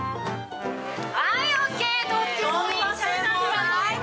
はい、ＯＫ。